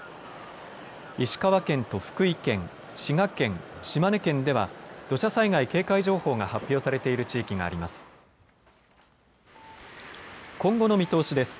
石川県と福井県、滋賀県、島根県では土砂災害警戒情報が発表されている地域があります。